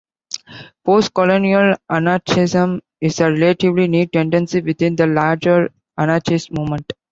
Post-colonial anarchism is a relatively new tendency within the larger anarchist movement.